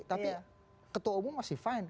tapi ketua umum masih fine